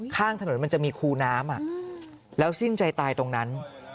ข้างถนนมันจะมีคูน้ำแล้วสิ้นใจตายตรงนั้น